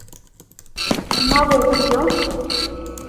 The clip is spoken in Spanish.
¿no bebí yo?